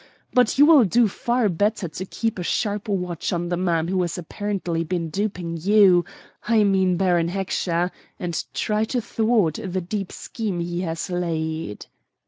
But you will do far better to keep a sharp watch on the man who has apparently been duping you I mean Baron Heckscher and try to thwart the deep scheme he has laid."